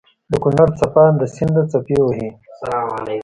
دکونړ څپانده سيند څپې وهي